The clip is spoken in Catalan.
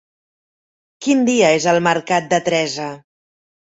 Quin dia és el mercat de Teresa?